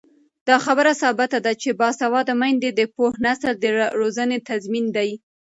دا خبره ثابته ده چې باسواده میندې د پوه نسل د روزنې تضمین دي.